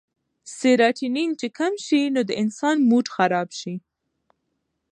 سيراټونين چې کم شي نو د انسان موډ خراب شي